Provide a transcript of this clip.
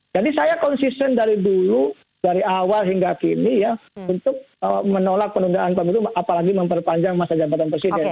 jadi saya konsisten dari dulu dari awal hingga kini ya untuk menolak penundaan pemilu apalagi memperpanjang masa jabatan presiden